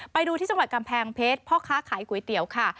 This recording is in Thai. ไปดูที่จังหวัดกำแพงเพชรพ่อค้าขายก๋วยเตี๋ยวค่ะ